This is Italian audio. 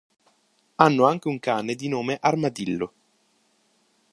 Hanno anche un cane di nome Armadillo.